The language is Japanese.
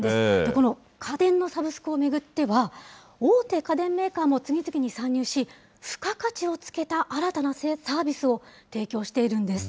この家電のサブスクを巡っては、大手家電メーカーも次々に参入し、付加価値をつけた新たなサービスを提供しているんです。